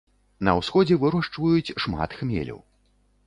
На ўсходзе вырошчваюць шмат хмелю.